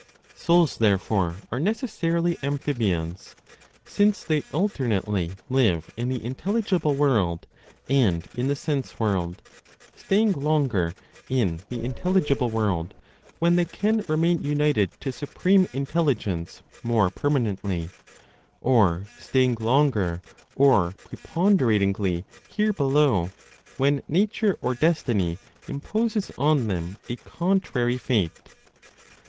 Souls therefore are necessarily amphibians; since they alternately live in the intelligible world, and in the sense world; staying longer in the intelligible world when they can remain united to supreme Intelligence more permanently, or staying longer or preponderatingly here below when nature or destiny imposes on them a contrary fate.